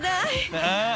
ああ。